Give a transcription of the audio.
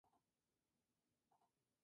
Tiene su sede en Oakland.